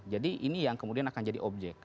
jadi ini yang kemudian akan jadi objek